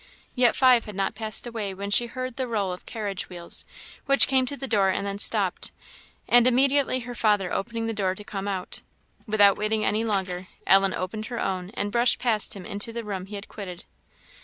Yet five had not passed away when she heard the roll of carriage wheels, which came to the door and then stopped, and immediately her father opening the door to come out. Without waiting any longer, Ellen opened her own, and brushed past him into the room he had quitted.